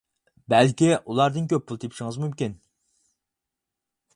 بەلكى، ئۇلاردىن كۆپ پۇل تېپىشىڭىز مۇمكىن.